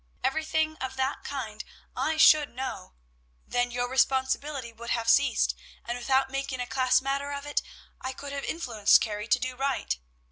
Everything of that kind I should know, then your responsibility would have ceased, and, without making a class matter of it, I could have influenced Carrie to do right.